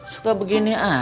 suka begini aja